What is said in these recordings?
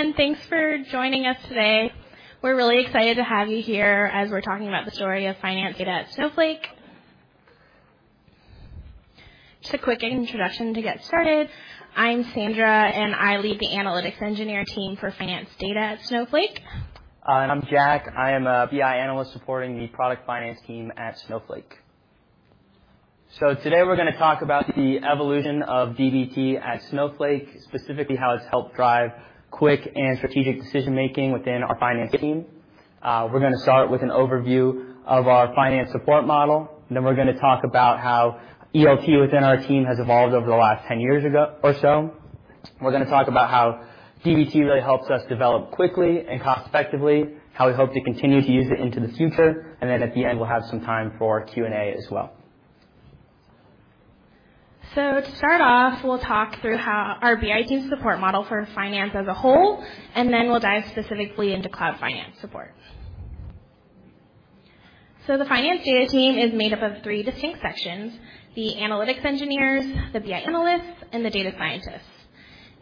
Hi, everyone. Thanks for joining us today. We're really excited to have you here as we're talking about the story of finance data at Snowflake. Just a quick introduction to get started. I'm Sandra, and I lead the analytics engineer team for finance data at Snowflake. I'm Jack. I am a BI analyst supporting the product finance team at Snowflake. So today we're gonna talk about the evolution of dbt at Snowflake, specifically how it's helped drive quick and strategic decision-making within our finance team. We're gonna start with an overview of our finance support model, and then we're gonna talk about how ELT within our team has evolved over the last 10 years ago or so. We're gonna talk about how dbt really helps us develop quickly and cost effectively, how we hope to continue to use it into the future, and then at the end, we'll have some time for Q&A as well. So to start off, we'll talk through how our BI team support model for finance as a whole, and then we'll dive specifically into cloud finance support. The finance data team is made up of three distinct sections: the analytics engineers, the BI analysts, and the data scientists.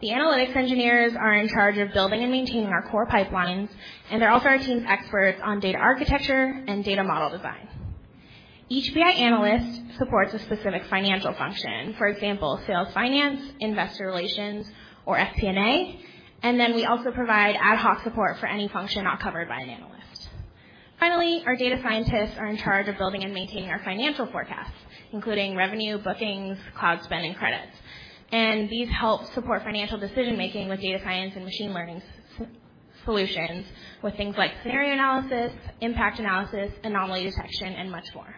The analytics engineers are in charge of building and maintaining our core pipelines, and they're also our team's experts on data architecture and data model design. Each BI analyst supports a specific financial function, for example, sales, finance, investor relations, or FP&A, and then we also provide ad hoc support for any function not covered by an analyst. Finally, our data scientists are in charge of building and maintaining our financial forecasts, including revenue, bookings, cloud spend, and credits. These help support financial decision-making with data science and machine learning solutions, with things like scenario analysis, impact analysis, anomaly detection, and much more.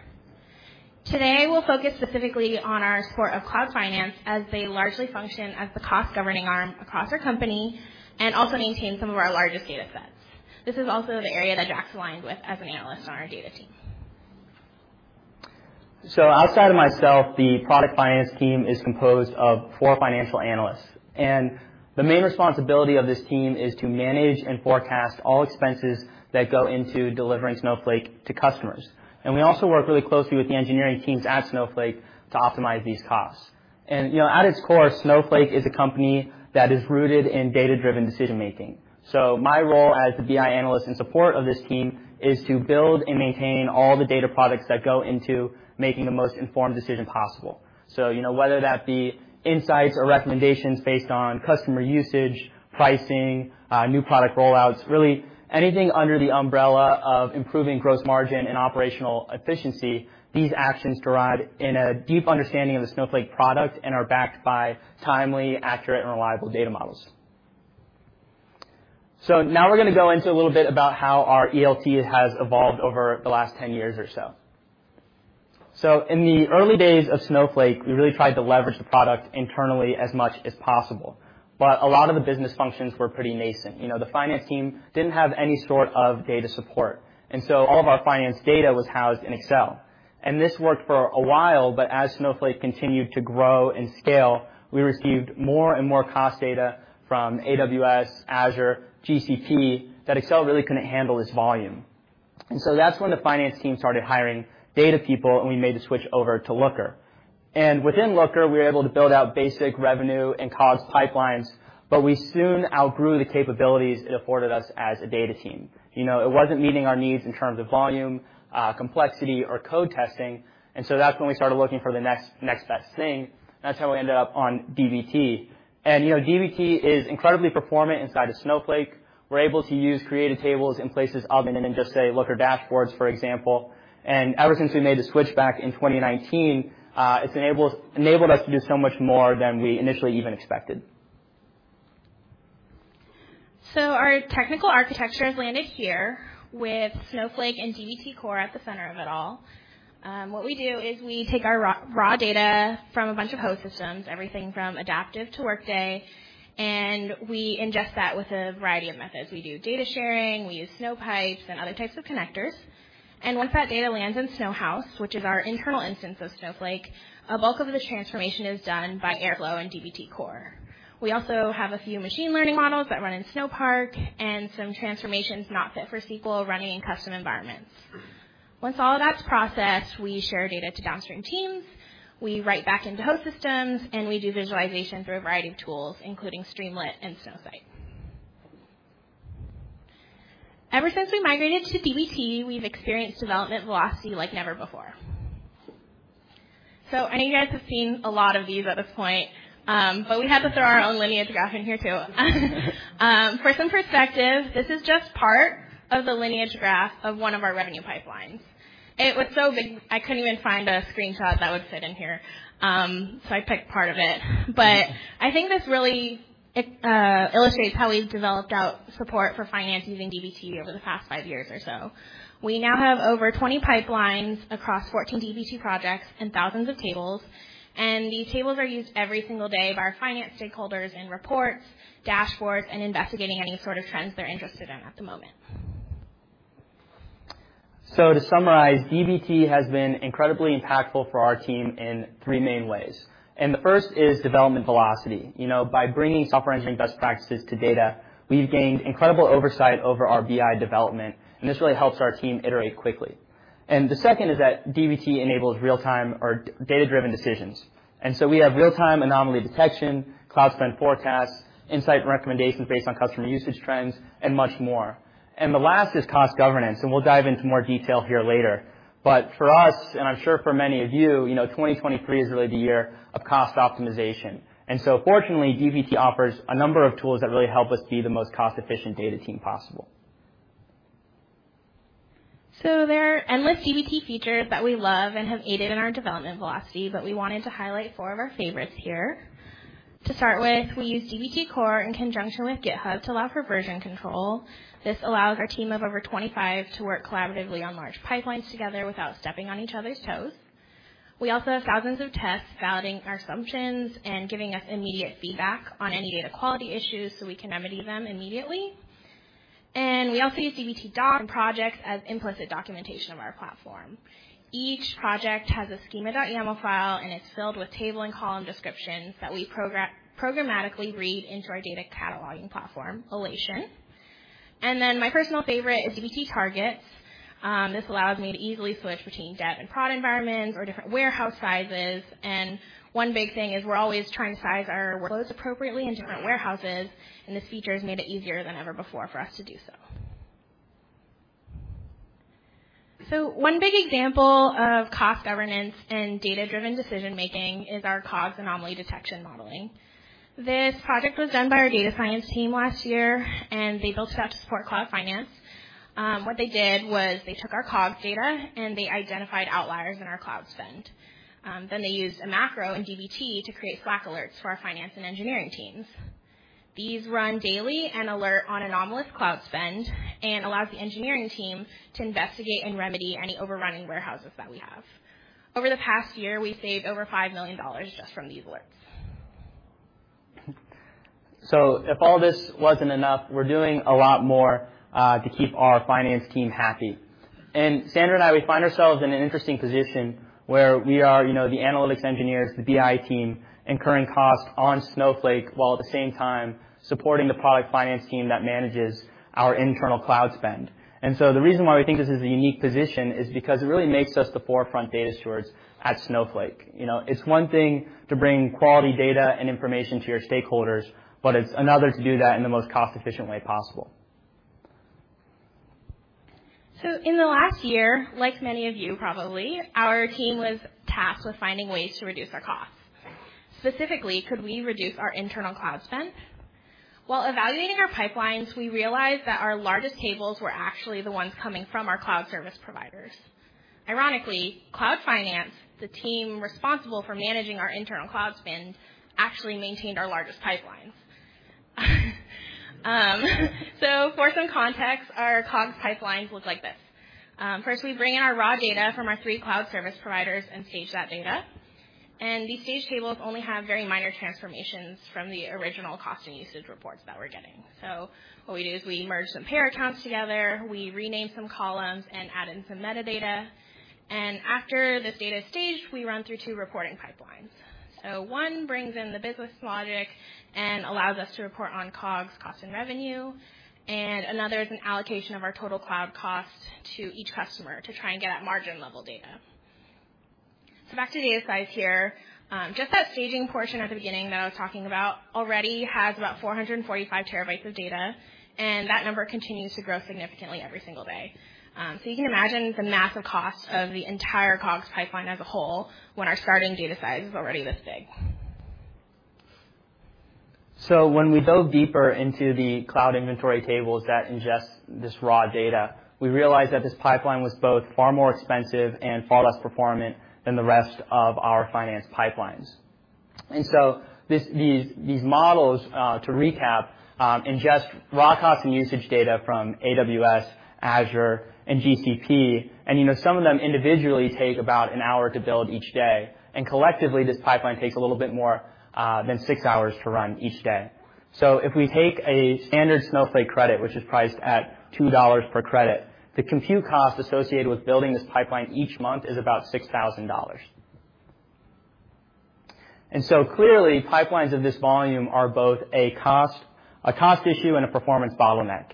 Today, we'll focus specifically on our support of cloud finance as they largely function as the cost-governing arm across our company and also maintain some of our largest data sets. This is also the area that Jack's aligned with as an analyst on our data team. So outside of myself, the product finance team is composed of four financial analysts, and the main responsibility of this team is to manage and forecast all expenses that go into delivering Snowflake to customers. And we also work really closely with the engineering teams at Snowflake to optimize these costs. And, you know, at its core, Snowflake is a company that is rooted in data-driven decision making. So my role as the BI analyst in support of this team is to build and maintain all the data products that go into making the most informed decision possible. So, you know, whether that be insights or recommendations based on customer usage, pricing, new product rollouts, really anything under the umbrella of improving gross margin and operational efficiency, these actions derive in a deep understanding of the Snowflake product and are backed by timely, accurate, and reliable data models. So now we're gonna go into a little bit about how our ELT has evolved over the last 10 years or so. So in the early days of Snowflake, we really tried to leverage the product internally as much as possible, but a lot of the business functions were pretty nascent. You know, the finance team didn't have any sort of data support, and so all of our finance data was housed in Excel, and this worked for a while, but as Snowflake continued to grow and scale, we received more and more cost data from AWS, Azure, GCP, that Excel really couldn't handle this volume. And so that's when the finance team started hiring data people, and we made the switch over to Looker. And within Looker, we were able to build out basic revenue and cost pipelines, but we soon outgrew the capabilities it afforded us as a data team. You know, it wasn't meeting our needs in terms of volume, complexity, or code testing, and so that's when we started looking for the next best thing. That's how we ended up on dbt. And, you know, dbt is incredibly performant inside of Snowflake. We're able to use created tables in places other than in, just say, Looker dashboards, for example. And ever since we made the switch back in 2019, it's enables, enabled us to do so much more than we initially even expected. So our technical architecture has landed here with Snowflake and dbt Core at the center of it all. What we do is we take our raw data from a bunch of host systems, everything from Adaptive to Workday, and we ingest that with a variety of methods. We do data sharing, we use Snowpipes and other types of connectors. And once that data lands in Snowhouse, which is our internal instance of Snowflake, a bulk of the transformation is done by Airflow and dbt Core. We also have a few machine learning models that run in Snowpark and some transformations not fit for SQL, running in custom environments. Once all of that's processed, we share data to downstream teams, we write back into host systems, and we do visualization through a variety of tools, including Streamlit and Snowsight. Ever since we migrated to dbt, we've experienced development velocity like never before. So I know you guys have seen a lot of these at this point, but we had to throw our own lineage graph in here, too. For some perspective, this is just part of the lineage graph of one of our revenue pipelines. It was so big I couldn't even find a screenshot that would fit in here, so I picked part of it. But I think this really illustrates how we've developed out support for finance using dbt over the past five years or so. We now have over 20 pipelines across 14 dbt projects and thousands of tables, and the tables are used every single day by our finance stakeholders in reports, dashboards, and investigating any sort of trends they're interested in at the moment. So to summarize, dbt has been incredibly impactful for our team in three main ways, and the first is development velocity. You know, by bringing software engineering best practices to data, we've gained incredible oversight over our BI development, and this really helps our team iterate quickly. And the second is that dbt enables real-time or data-driven decisions. And so we have real-time anomaly detection, cloud spend forecasts, insight and recommendations based on customer usage trends, and much more. And the last is cost governance, and we'll dive into more detail here later. But for us, and I'm sure for many of you, you know, 2023 is really the year of cost optimization. And so fortunately, dbt offers a number of tools that really help us be the most cost-efficient data team possible. So there are endless dbt features that we love and have aided in our development velocity, but we wanted to highlight four of our favorites here. To start with, we use dbt Core in conjunction with GitHub to allow for version control. This allows our team of over 25 to work collaboratively on large pipelines together without stepping on each other's toes. We also have thousands of tests validating our assumptions and giving us immediate feedback on any data quality issues, so we can remedy them immediately. We also use dbt docs projects as implicit documentation of our platform. Each project has a schema.yml file, and it's filled with table and column descriptions that we programmatically read into our data cataloging platform, Alation. Then my personal favorite is dbt targets. This allows me to easily switch between dev and prod environments or different warehouse sizes. One big thing is we're always trying to size our workloads appropriately in different warehouses, and this feature has made it easier than ever before for us to do so. One big example of cost governance and data-driven decision making is our COGS anomaly detection modeling. This project was done by our data science team last year, and they built it out to support cloud finance. What they did was they took our COGS data, and they identified outliers in our cloud spend. Then they used a macro in dbt to create Slack alerts for our finance and engineering teams. These run daily and alert on anomalous cloud spend and allows the engineering team to investigate and remedy any overrunning warehouses that we have. Over the past year, we've saved over $5 million just from these alerts. So if all this wasn't enough, we're doing a lot more to keep our finance team happy. And Sandra and I, we find ourselves in an interesting position where we are, you know, the analytics engineers, the BI team, incurring costs on Snowflake, while at the same time supporting the product finance team that manages our internal cloud spend. And so the reason why we think this is a unique position is because it really makes us the forefront data stewards at Snowflake. You know, it's one thing to bring quality data and information to your stakeholders, but it's another to do that in the most cost-efficient way possible. So in the last year, like many of you, probably, our team was tasked with finding ways to reduce our costs. Specifically, could we reduce our internal cloud spend? While evaluating our pipelines, we realized that our largest tables were actually the ones coming from our cloud service providers. Ironically, Cloud Finance, the team responsible for managing our internal cloud spend, actually maintained our largest pipelines. So for some context, our COGS pipelines look like this. First, we bring in our raw data from our three cloud service providers and stage that data. And these stage tables only have very minor transformations from the original cost and usage reports that we're getting. So what we do is we merge some payer accounts together, we rename some columns and add in some metadata, and after this data is staged, we run through two reporting pipelines. One brings in the business logic and allows us to report on COGS, cost, and revenue, and another is an allocation of our total cloud costs to each customer to try and get at margin-level data. Back to data size here. Just that staging portion at the beginning that I was talking about already has about 445 TB of data, and that number continues to grow significantly every single day. So you can imagine the massive cost of the entire COGS pipeline as a whole when our starting data size is already this big. So when we dove deeper into the cloud inventory tables that ingest this raw data, we realized that this pipeline was both far more expensive and far less performant than the rest of our finance pipelines. And so these models, to recap, ingest raw cost and usage data from AWS, Azure, and GCP, and, you know, some of them individually take about an hour to build each day, and collectively, this pipeline takes a little bit more than 6 hours to run each day. So if we take a standard Snowflake credit, which is priced at $2 per credit, the compute cost associated with building this pipeline each month is about $6,000. And so clearly, pipelines of this volume are both a cost, a cost issue and a performance bottleneck.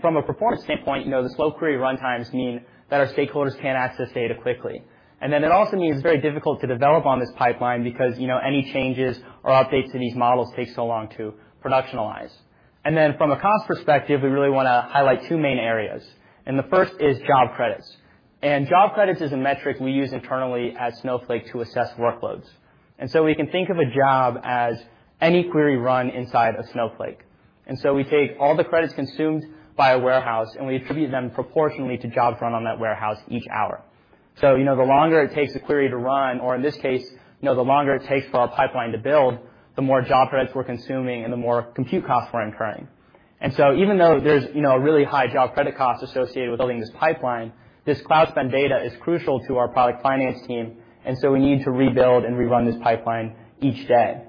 From a performance standpoint, you know, the slow query runtimes mean that our stakeholders can't access data quickly. It also means it's very difficult to develop on this pipeline because, you know, any changes or updates to these models take so long to productionalize. From a cost perspective, we really wanna highlight two main areas, and the first is Job Credits. Job Credits is a metric we use internally at Snowflake to assess workloads. We can think of a job as any query run inside of Snowflake. We take all the credits consumed by a warehouse, and we attribute them proportionately to jobs run on that warehouse each hour. So, you know, the longer it takes a query to run, or in this case, you know, the longer it takes for our pipeline to build, the more Job Credits we're consuming and the more compute costs we're incurring. And so even though there's, you know, a really high Job Credits cost associated with building this pipeline, this cloud spend data is crucial to our product finance team, and so we need to rebuild and rerun this pipeline each day.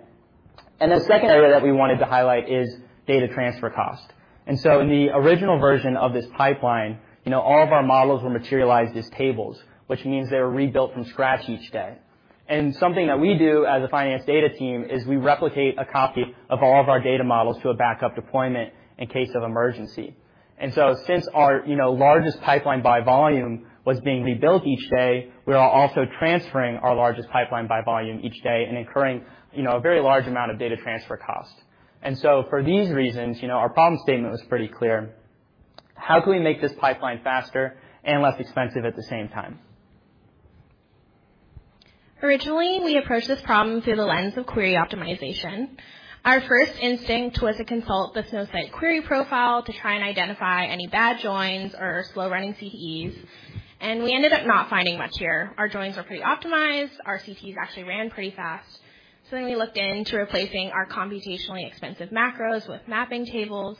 The second area that we wanted to highlight is data transfer cost. And so in the original version of this pipeline, you know, all of our models were materialized as tables, which means they were rebuilt from scratch each day. Something that we do as a finance data team is we replicate a copy of all of our data models to a backup deployment in case of emergency. Since our, you know, largest pipeline by volume was being rebuilt each day, we are also transferring our largest pipeline by volume each day and incurring, you know, a very large amount of data transfer costs. For these reasons, you know, our problem statement was pretty clear: How can we make this pipeline faster and less expensive at the same time? Originally, we approached this problem through the lens of query optimization. Our first instinct was to consult the Snowsight query profile to try and identify any bad joins or slow-running CTEs, and we ended up not finding much here. Our joins were pretty optimized. Our CTEs actually ran pretty fast. We looked into replacing our computationally expensive macros with mapping tables.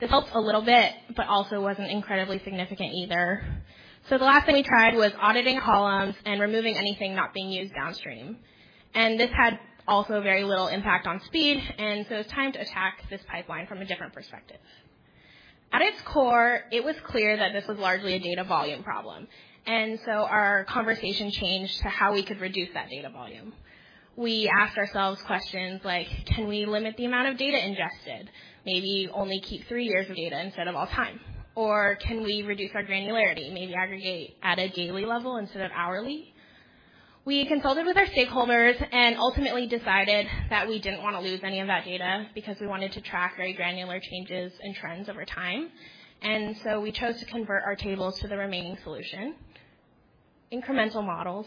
This helped a little bit, but also wasn't incredibly significant either. The last thing we tried was auditing columns and removing anything not being used downstream. This had also very little impact on speed, and so it was time to attack this pipeline from a different perspective. At its core, it was clear that this was largely a data volume problem, and so our conversation changed to how we could reduce that data volume. We asked ourselves questions like: Can we limit the amount of data ingested? Maybe only keep three years of data instead of all time. Or can we reduce our granularity, maybe aggregate at a daily level instead of hourly? We consulted with our stakeholders and ultimately decided that we didn't want to lose any of that data because we wanted to track very granular changes and trends over time, and so we chose to convert our tables to the remaining solution, incremental models.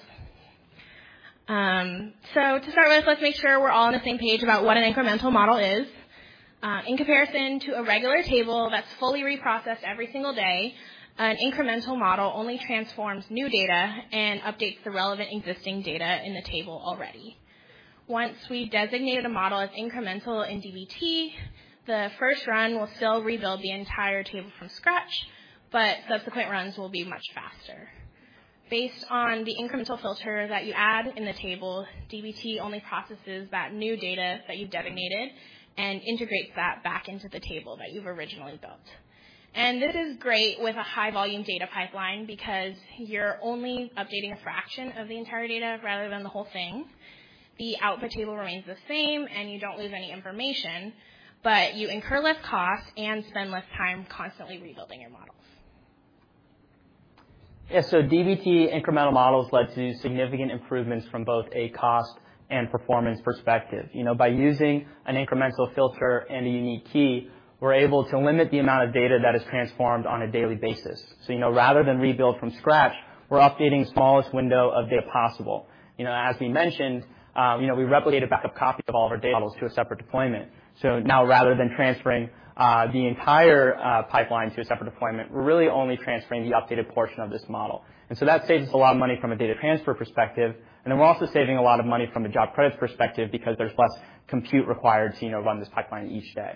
So to start with, let's make sure we're all on the same page about what an incremental model is. In comparison to a regular table that's fully reprocessed every single day, an incremental model only transforms new data and updates the relevant existing data in the table already. Once we've designated a model as incremental in dbt, the first run will still rebuild the entire table from scratch, but subsequent runs will be much faster. Based on the incremental filter that you add in the table, dbt only processes that new data that you've designated and integrates that back into the table that you've originally built. This is great with a high volume data pipeline because you're only updating a fraction of the entire data rather than the whole thing. The output table remains the same, and you don't lose any information, but you incur less cost and spend less time constantly rebuilding your models. Yeah. So dbt incremental models led to significant improvements from both a cost and performance perspective. You know, by using an incremental filter and a unique key, we're able to limit the amount of data that is transformed on a daily basis. So, you know, rather than rebuild from scratch, we're updating the smallest window of data possible. You know, as we mentioned, you know, we replicated backup copies of all of our data models to a separate deployment. So now, rather than transferring the entire pipeline to a separate deployment, we're really only transferring the updated portion of this model. And so that saves us a lot of money from a data transfer perspective, and then we're also saving a lot of money from a job credits perspective because there's less compute required to, you know, run this pipeline each day.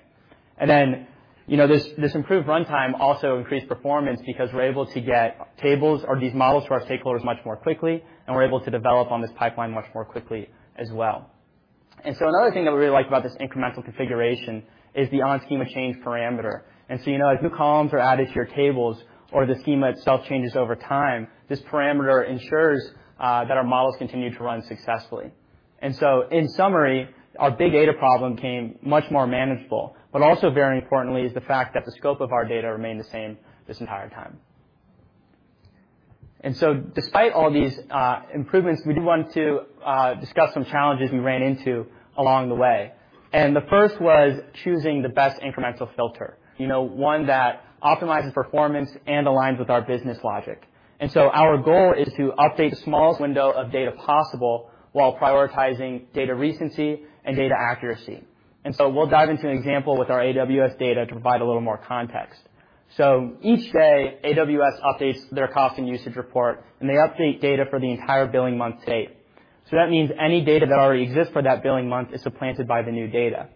And then, you know, this, this improved runtime also increased performance because we're able to get tables or these models to our stakeholders much more quickly, and we're able to develop on this pipeline much more quickly as well. And so another thing that we really like about this incremental configuration is the on_schema_change parameter. And so, you know, as new columns are added to your tables or the schema itself changes over time, this parameter ensures that our models continue to run successfully. And so in summary, our big data problem became much more manageable, but also very importantly, is the fact that the scope of our data remained the same this entire time. And so despite all these improvements, we do want to discuss some challenges we ran into along the way. The first was choosing the best incremental filter, you know, one that optimizes performance and aligns with our business logic. So our goal is to update the smallest window of data possible while prioritizing data recency and data accuracy. So we'll dive into an example with our AWS data to provide a little more context. Each day, AWS updates their cost and usage report, and they update data for the entire billing month to date. So that means any data that already exists for that billing month is supplanted by the new data.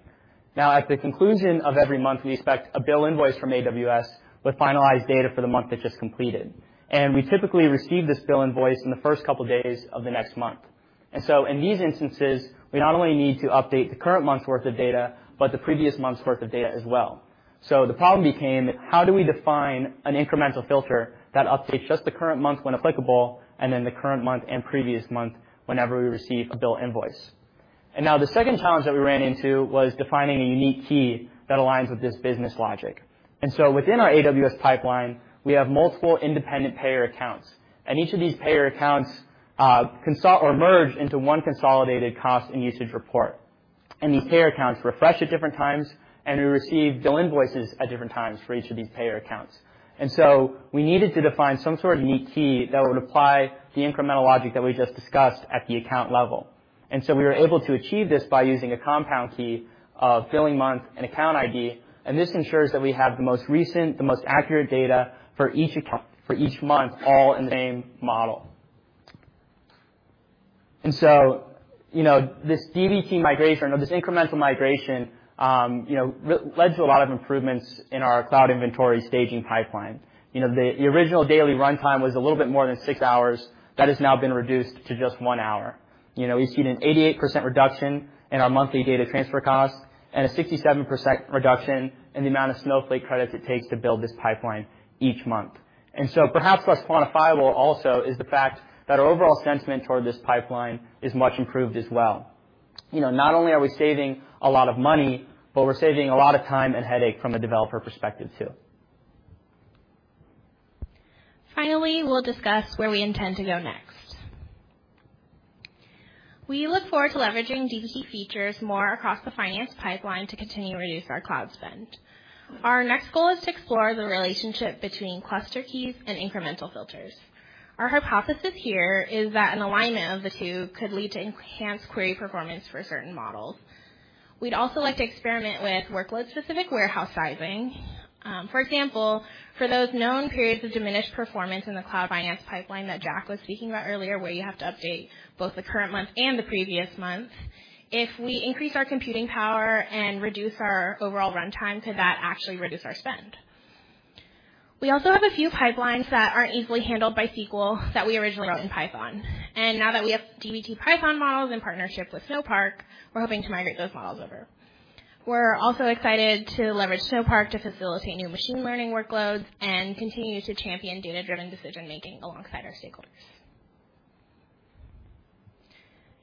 Now, at the conclusion of every month, we expect a bill invoice from AWS with finalized data for the month that just completed. We typically receive this bill invoice in the first couple of days of the next month. And so in these instances, we not only need to update the current month's worth of data, but the previous month's worth of data as well. So the problem became: How do we define an incremental filter that updates just the current month when applicable, and then the current month and previous month whenever we receive a bill invoice? And now the second challenge that we ran into was defining a unique key that aligns with this business logic. And so within our AWS pipeline, we have multiple independent payer accounts, and each of these payer accounts, consult or merge into one consolidated cost and usage report. And these payer accounts refresh at different times, and we receive bill invoices at different times for each of these payer accounts. And so we needed to define some sort of unique key that would apply the incremental logic that we just discussed at the account level. And so we were able to achieve this by using a compound key of billing month and account ID, and this ensures that we have the most recent, the most accurate data for each account, for each month, all in the same model. And so, you know, this dbt migration or this incremental migration, you know, resulted in a lot of improvements in our cloud inventory staging pipeline. You know, the original daily runtime was a little bit more than six hours. That has now been reduced to just one hour. You know, we've seen an 88% reduction in our monthly data transfer costs and a 67% reduction in the amount of Snowflake credits it takes to build this pipeline each month. And so perhaps less quantifiable also is the fact that our overall sentiment toward this pipeline is much improved as well... you know, not only are we saving a lot of money, but we're saving a lot of time and headache from a developer perspective, too. Finally, we'll discuss where we intend to go next. We look forward to leveraging dbt features more across the finance pipeline to continue to reduce our cloud spend. Our next goal is to explore the relationship between cluster keys and incremental filters. Our hypothesis here is that an alignment of the two could lead to enhanced query performance for certain models. We'd also like to experiment with workload-specific warehouse sizing. For example, for those known periods of diminished performance in the cloud finance pipeline that Jack was speaking about earlier, where you have to update both the current month and the previous month, if we increase our computing power and reduce our overall runtime, could that actually reduce our spend? We also have a few pipelines that aren't easily handled by SQL that we originally wrote in Python. And now that we have dbt Python models in partnership with Snowpark, we're hoping to migrate those models over. We're also excited to leverage Snowpark to facilitate new machine learning workloads and continue to champion data-driven decision making alongside our stakeholders.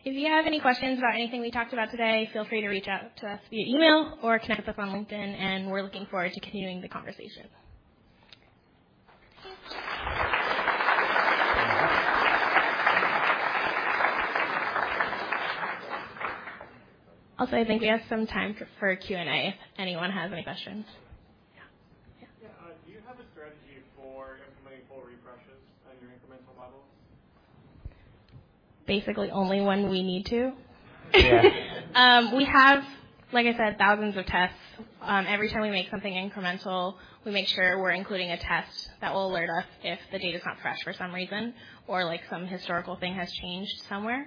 If you have any questions about anything we talked about today, feel free to reach out to us via email or connect with us on LinkedIn, and we're looking forward to continuing the conversation. Also, I think we have some time for Q&A if anyone has any questions. Yeah. Yeah, do you have a strategy for implementing full refreshes on your incremental models? Basically, only when we need to. Yeah. We have, like I said, thousands of tests. Every time we make something incremental, we make sure we're including a test that will alert us if the data is not fresh for some reason or like some historical thing has changed somewhere.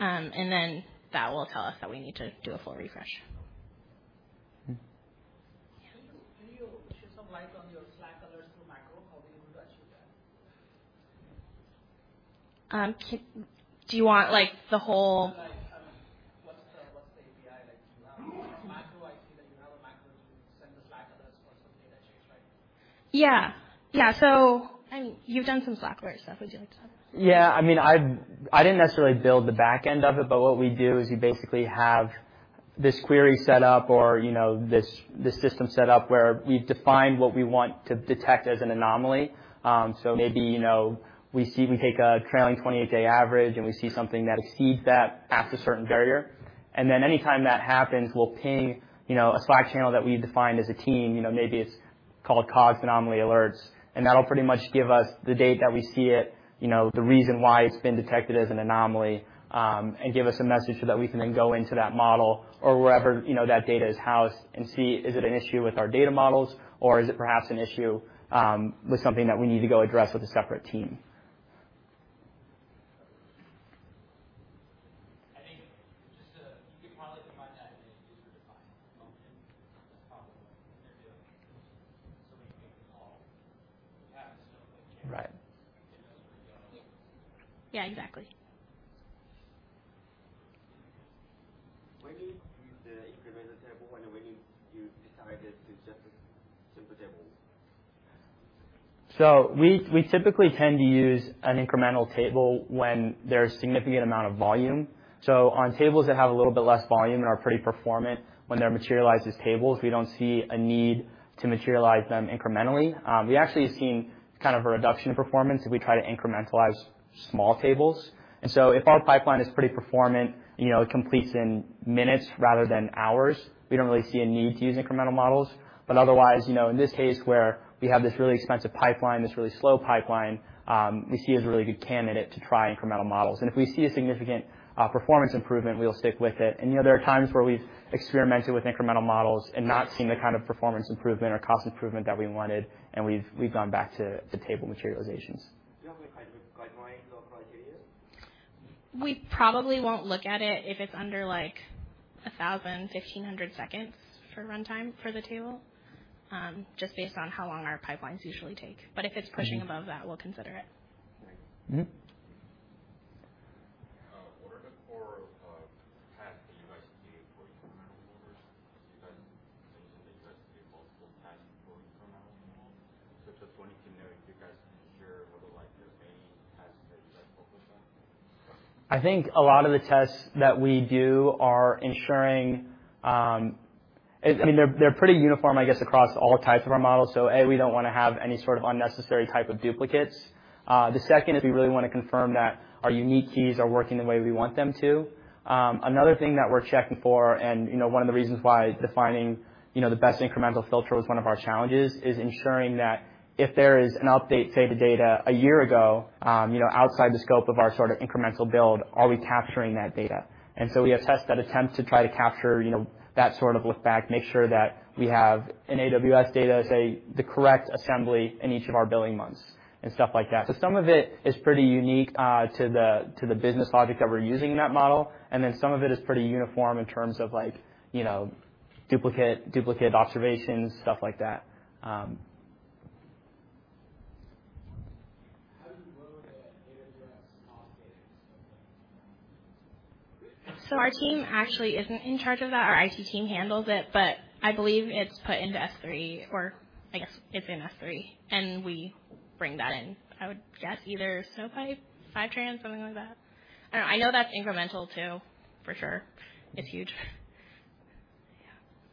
And then that will tell us that we need to do a full refresh. Mm. Can you shed some light on your Slack alerts through macro? How do you actually do that? Do you want, like, the whole- Like, what's the, what's the API like? Do you have a macro? I see that you have a macro to send the Slack alerts for some data change, right? Yeah. Yeah. So and you've done some Slack stuff. Would you like to? Yeah, I mean, I didn't necessarily build the back end of it, but what we do is you basically have this query set up or, you know, this system set up where we've defined what we want to detect as an anomaly. So maybe, you know, we see, we take a trailing 28-day average, and we see something that exceeds that past a certain barrier. And then anytime that happens, we'll ping, you know, a Slack channel that we've defined as a team. You know, maybe it's called COGS Anomaly Alerts, and that'll pretty much give us the date that we see it, you know, the reason why it's been detected as an anomaly, and give us a message so that we can then go into that model or wherever, you know, that data is housed and see, is it an issue with our data models, or is it perhaps an issue with something that we need to go address with a separate team? I think just to you could probably combine that in a user-defined function. Just probably they're doing something model. Right. Yeah, exactly. When do you use the incremental table and when you decided to just simple tables? So we, we typically tend to use an incremental table when there's significant amount of volume. So on tables that have a little bit less volume and are pretty performant when they're materialized as tables, we don't see a need to materialize them incrementally. We actually have seen kind of a reduction in performance if we try to incrementalize small tables. And so if our pipeline is pretty performant, you know, it completes in minutes rather than hours, we don't really see a need to use incremental models. But otherwise, you know, in this case, where we have this really expensive pipeline, this really slow pipeline, we see as a really good candidate to try incremental models. And if we see a significant performance improvement, we'll stick with it. You know, there are times where we've experimented with incremental models and not seen the kind of performance improvement or cost improvement that we wanted, and we've gone back to table materializations. Do you have a kind of guideline or criteria? We probably won't look at it if it's under, like, 1,000, 1,500 seconds for runtime for the table, just based on how long our pipelines usually take. But if it's pushing above that, we'll consider it. Mm-hmm. What are the core tasks that you guys do for incremental models? You guys mentioned that you guys do multiple tasks for incremental models. So just wanting to know if you guys can share what are, like, the main tasks that you guys focus on. I think a lot of the tests that we do are ensuring... I mean, they're pretty uniform, I guess, across all types of our models, so, A, we don't want to have any sort of unnecessary type of duplicates. The second is we really want to confirm that our unique keys are working the way we want them to. Another thing that we're checking for, and, you know, one of the reasons why defining, you know, the best incremental filter was one of our challenges, is ensuring that if there is an update, say, the data a year ago, you know, outside the scope of our sort of incremental build, are we capturing that data? We have tests that attempt to try to capture, you know, that sort of look back, make sure that we have an AWS data, say, the correct assembly in each of our billing months and stuff like that. Some of it is pretty unique to the business logic that we're using in that model, and then some of it is pretty uniform in terms of like, you know, duplicate observations, stuff like that. How do you load the AWS off data? So our team actually isn't in charge of that. Our IT team handles it, but I believe it's put into S3 or I guess it's in S3, and we bring that in. I would guess either Snowpipe, Fivetran, something like that. I don't know. I know that's incremental too, for sure. It's huge....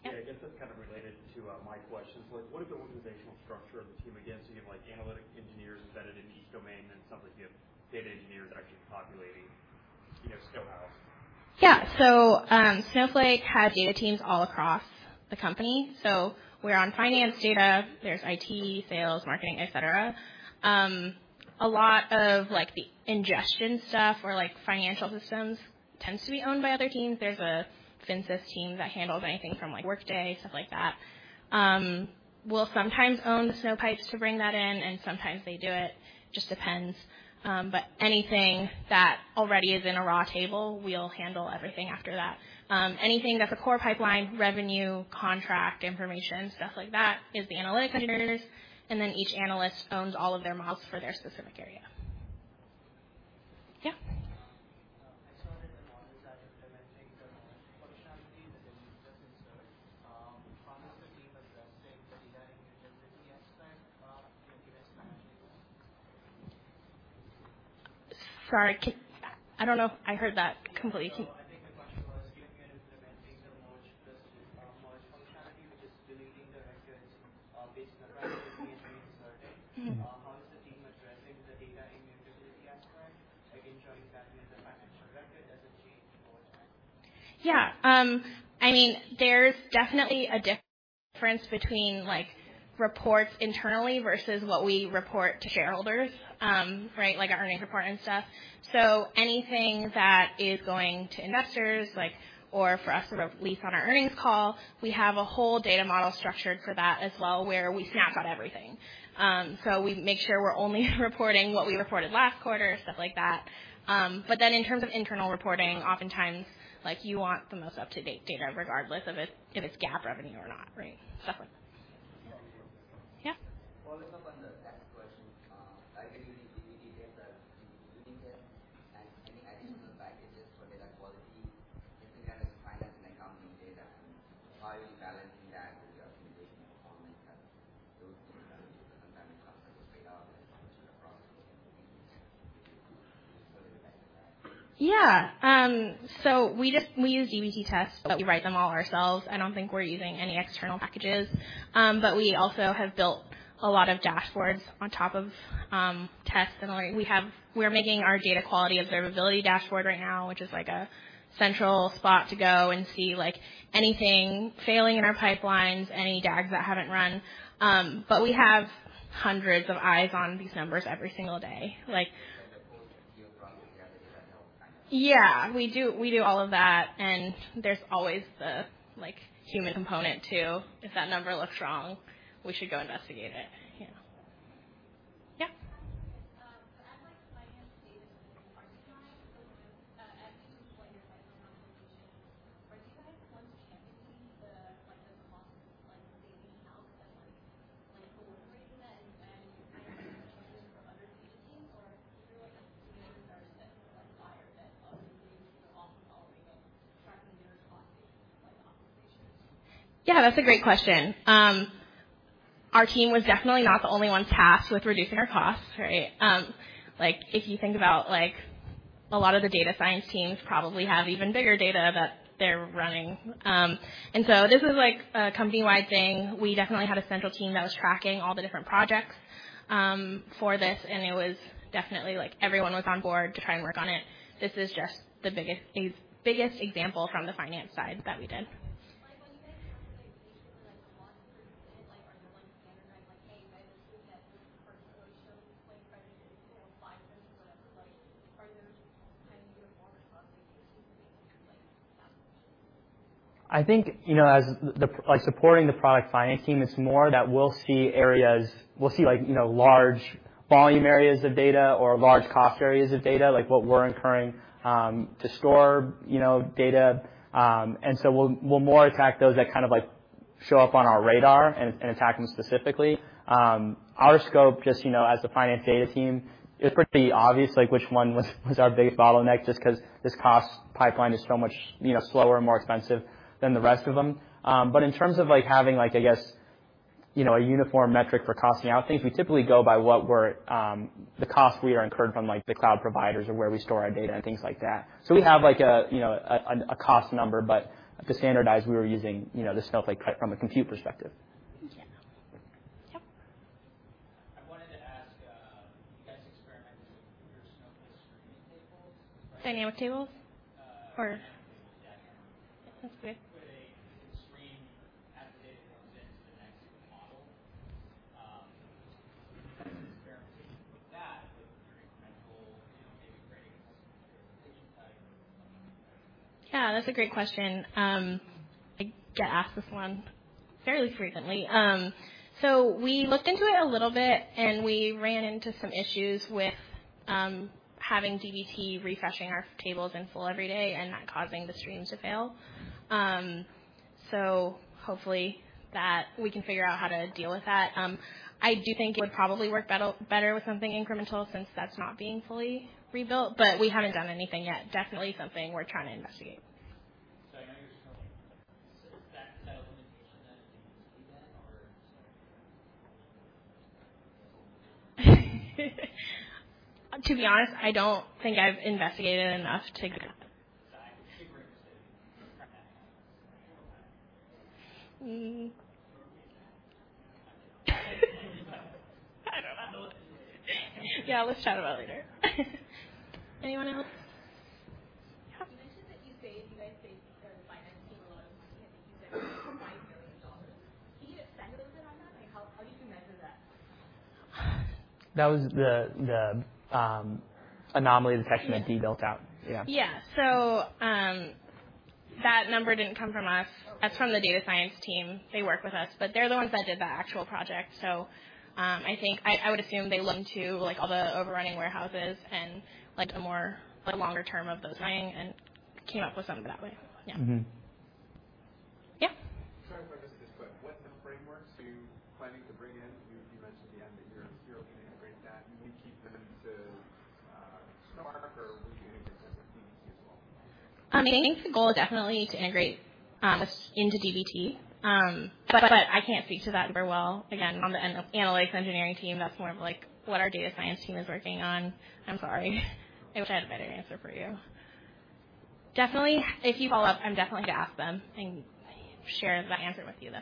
Yeah, I guess that's kind of related to my question. So like, what is the organizational structure of the team? Again, so you have, like, analytic engineers embedded in each domain, then some of you have data engineers actually populating, you know, Snowhouse. Yeah. So, Snowflake has data teams all across the company, so we're on finance data, there's IT, sales, marketing, et cetera. A lot of, like, the ingestion stuff or, like, financial systems tends to be owned by other teams. There's a FinSys team that handles anything from, like, Workday, stuff like that. We'll sometimes own the Snowpipes to bring that in, and sometimes they do it. It just depends. But anything that already is in a raw table, we'll handle everything after that. Anything that's a core pipeline, revenue, contract information, stuff like that is the analytic engineers, and then each analyst owns all of their models for their specific area. Yeah? I saw that the models are implementing the functionality within the search. How is the team addressing the data integrity aspect, how you guys manage it? Sorry, I don't know if I heard that completely. I think the question was, you are implementing the merge plus, merge functionality, which is deleting the records, based on the record being inserted. Mm-hmm. How is the team addressing the data immutability aspect, like ensuring that the financial record doesn't change over time? Yeah. I mean, there's definitely a difference between, like, reports internally versus what we report to shareholders, right? Like, our earnings report and stuff. So anything that is going to investors, like... or for us, for a release on our earnings call, we have a whole data model structured for that as well, where we snap out everything. So we make sure we're only reporting what we reported last quarter, stuff like that. But then in terms of internal reporting, oftentimes, like, you want the most up-to-date data, regardless of if it's GAAP revenue or not, right? Stuff like that. Yeah? Follows up on the last question, are you using dbt tests and any additional packages for data quality, especially kind of finance and accounting data, and how are you balancing that with your optimization and performance and those things that sometimes comes with the trade-off and the process? Yeah. So we just use dbt tests, but we write them all ourselves. I don't think we're using any external packages. But we also have built a lot of dashboards on top of tests and like, we are making our data quality observability dashboard right now, which is, like, a central spot to go and see, like, anything failing in our pipelines, any DAGs that haven't run. But we have hundreds of eyes on these numbers every single day, like- And the tools you brought together, you have no- Yeah, we do, we do all of that, and there's always the, like, human component, too. If that number looks wrong, we should go investigate it. Yeah. Yeah? So, as, like, finance data, are you guys, as to what your final consultation, are you guys going to be the, like, the costs, like, like, incorporating that and, and from other data teams? Or are you, like, a very separate, like, buyer that also use cost modeling of tracking your costs, like, complications? Yeah, that's a great question. Our team was definitely not the only one tasked with reducing our costs, right? Like, if you think about, like, a lot of the data science teams probably have even bigger data that they're running. And so this is, like, a company-wide thing. We definitely had a central team that was tracking all the different projects for this, and it was definitely, like, everyone was on board to try and work on it. This is just the biggest example from the finance side that we did. Like, when you guys have, like, issues, or like, a lot, like, are you, like, standardized, like, hey, let's look at this person who shows, like, credit or five or whatever, like, are those kind of get more responsibility to make, like, decisions? I think, you know, like, supporting the product finance team, it's more that we'll see, like, you know, large volume areas of data or large cost areas of data, like, what we're incurring to store, you know, data. And so we'll more attack those that kind of, like, show up on our radar and attack them specifically. Our scope, just, you know, as the finance data team, it's pretty obvious, like, which one was our big bottleneck, just 'cause this cost pipeline is so much, you know, slower and more expensive than the rest of them. But in terms of, like, having, like, I guess, you know, a uniform metric for costing out things, we typically go by what we're, the cost we are incurred from, like, the cloud providers or where we store our data and things like that. So we have, like, you know, a cost number, but to standardize, we were using, you know, the Snowflake price from a compute perspective. Yeah. Yep. I wanted to ask, you guys experiment with your Snowflake streaming tables? Dynamic Tables? Or- Dynamic Tables, yeah. That's great. With a screen as the data comes into the next model. Experimentation with that, with your incremental, you know, maybe creating type. Yeah, that's a great question. I get asked this one fairly frequently. So we looked into it a little bit, and we ran into some issues with having dbt refreshing our tables in full every day and not causing the stream to fail. So hopefully that we can figure out how to deal with that. I do think it would probably work better with something incremental since that's not being fully rebuilt, but we haven't done anything yet. Definitely something we're trying to investigate. I know you're still like that type of- To be honest, I don't think I've investigated enough to... I don't know. Yeah, let's chat about it later. Anyone else? Yeah. You mentioned that you saved—you guys saved the financing alone, I think you said $5 million. Can you expand a little bit on that? Like, how, how do you measure that? That was the anomaly detection that Dee built out. Yeah. Yeah. I think the goal is definitely to integrate this into dbt. But I can't speak to that very well, again, on the end of analytics engineering team, that's more of, like, what our data science team is working on. I'm sorry. I wish I had a better answer for you. Definitely. If you follow up, I'm definitely going to ask them and share that answer with you, though.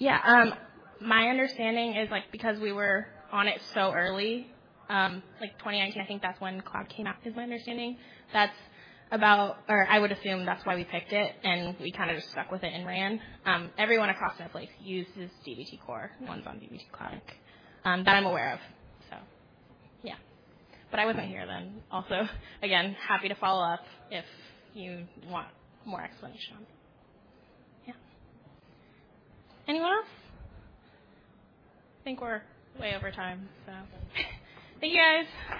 Yeah. Cool. Yeah. What were your considerations in selecting dbt or versus Cloud? Do you have just a whole list, or are there no considerations other than you would cross it? Yeah, my understanding is, like, because we were on it so early, like, 2019, I think that's when Cloud came out, is my understanding. That's about... Or I would assume that's why we picked it, and we kind of just stuck with it and ran. Everyone across Snowflake uses dbt Core, the ones on dbt Cloud, that I'm aware of. So yeah, but I wasn't here then. Also, again, happy to follow up if you want more explanation. Yeah. Anyone else? I think we're way over time, so thank you, guys.